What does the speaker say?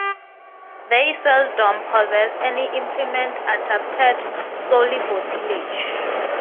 They seldom possess any implement adapted solely for tillage.